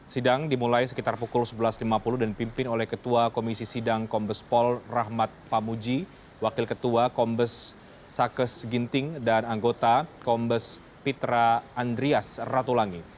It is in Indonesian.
sidang dimulai sekitar pukul sebelas lima puluh dan dipimpin oleh ketua komisi sidang kombespol rahmat pamuji wakil ketua kombes sakes ginting dan anggota kombes pitra andreas ratulangi